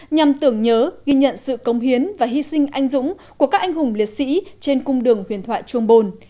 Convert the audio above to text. nhằm tưởng nhớ ghi nhận sự công hiến và hy sinh anh dũng của các anh hùng liệt sĩ trên cung đường huyền thoại chuồng bồn